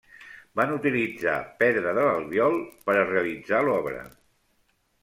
Van utilitzar pedra de l'Albiol per a realitzar l'obra.